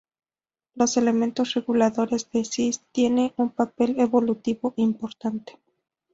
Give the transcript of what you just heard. Los elementos reguladores de "cis" tienen un papel evolutivo importante.